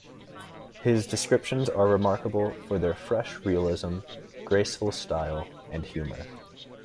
His descriptions are remarkable for their fresh realism, graceful style and humour.